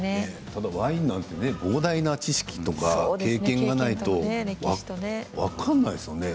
ただワインなんて膨大な知識や経験がないとね分からないですよね。